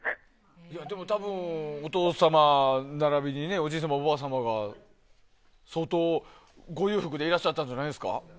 でも多分、お父様ならびにおじい様、おばあ様が相当、ご裕福でいらっしゃったんじゃないですか。